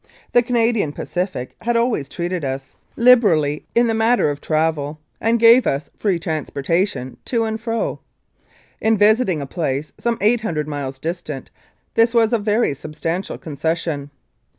The Canadian Pacific had always treated us 85 Mounted Police Life in Canada liberally in the matter of travel, and gave us free trans portation to and fro. In visiting a place some 800 miles distant this was a very substantial concession.